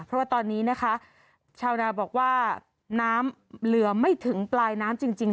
เพราะว่าตอนนี้นะคะชาวนาบอกว่าน้ำเหลือไม่ถึงปลายน้ำจริง